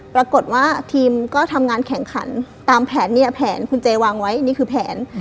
ปรากฏว่าทีมก็ทำงานแข่งขันตามแผนเนี่ยแผนคุณเจวางไว้นี่คือแผน